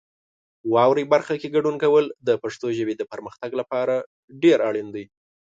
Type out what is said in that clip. واورئ برخه کې ګډون کول د پښتو ژبې د پرمختګ لپاره ډېر اړین دی.